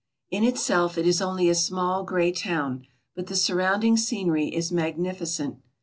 In itself it is only a small gray town but the surrounding scenery is magnificent.